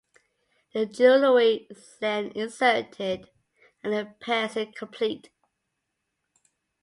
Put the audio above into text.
The jewelry is then inserted, and the piercing complete.